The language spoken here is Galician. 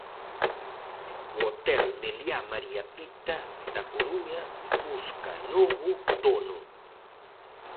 O hotel Meliá María Pita da Coruña busca novo dono.